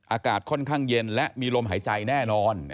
อากาศค่อนข้างเย็นและมีลมหายใจแน่นอน